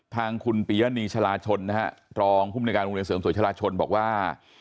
ทางคุณปียะนีชะลาชนนะฮะรองภูมิในการโรงเรียนเสริมสวยชาลาชนบอกว่า